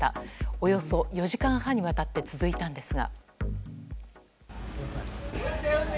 およそ４時間半にわたって続いたんですが。